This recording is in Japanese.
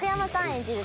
演じる